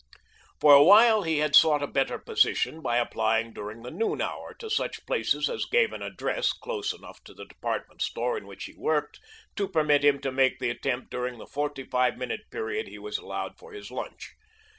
For a while he had sought a better position by applying during the noon hour to such places as gave an address close enough to the department store in which he worked to permit him to make the attempt during the forty five minute period he was allowed for his lunch.